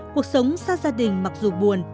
cuộc sống xa gia đình mặc dù buồn